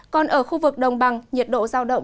còn ở khu vực đồng bằng nhiệt độ giao động